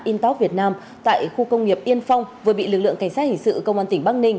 intok việt nam tại khu công nghiệp yên phong vừa bị lực lượng cảnh sát hình sự công an tỉnh bắc ninh